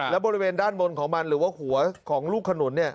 และบริเวณด้านบนของมันหรือว่าหัวของลูกขนุน